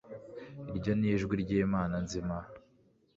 iryo ni ijwi ry'imana nzima